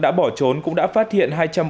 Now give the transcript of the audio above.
đã bỏ trốn cũng đã phát hiện